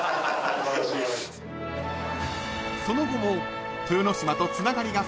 ［その後も豊ノ島とつながりが深い